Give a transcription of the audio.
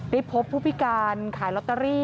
พบผู้พิการขายลอตเตอรี่